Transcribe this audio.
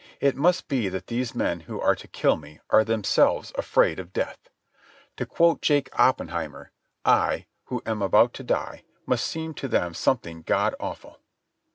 It must be that these men who are to kill me are themselves afraid of death. To quote Jake Oppenheimer: I, who am about to die, must seem to them something God awful.